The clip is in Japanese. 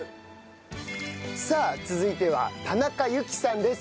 さあ続いては田中有希さんです。